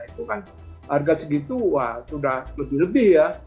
itu kan harga segitu wah sudah lebih lebih ya